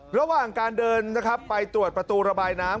ระหว่างการเดินนะครับไปตรวจประตูระบายน้ำ